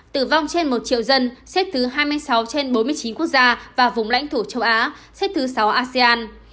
tử vong trên một triệu dân xếp thứ hai mươi sáu trên bốn mươi chín quốc gia và vùng lãnh thổ châu á xếp thứ sáu asean